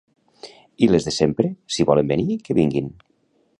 I les de sempre, si volen venir, que vinguin.